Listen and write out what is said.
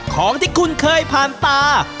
ของที่คุณเคยผ่านตา